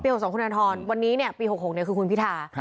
๖๒คุณธนทรวันนี้ปี๖๖คือคุณพิธา